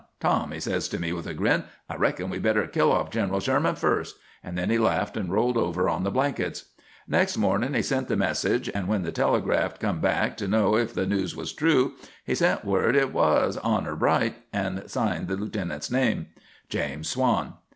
'Tom,' he says to me with a grin, 'I reckon we better kill off Gineral Sherman first,' and then he laughed and rolled over on the blankets. "Next mornin' he sent the message, and when the telegraft come back to know if the news was true, he sent word hit was, 'honor bright,' and signed the lieutenant's name, 'James Swann.'